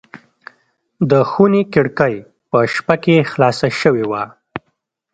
د خونې کړکۍ په شپه کې خلاصه شوې وه.